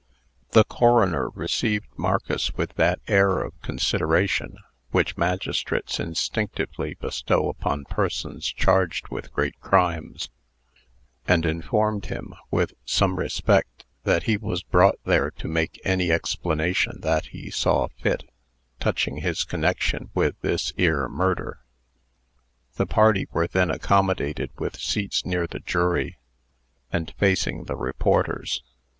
The coroner received Marcus with that air of consideration which magistrates instinctively bestow upon persons charged with great crimes, and informed him, with some respect, that he was brought there to make any explanation that he saw fit, touching his connection with "this 'ere murder." The party were then accommodated with seats near the jury, and facing the reporters.